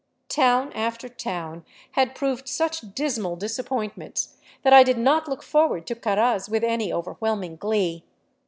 Town after town had proved such dismal disappointments that I did not look forward to Caraz with any overwhelming glee.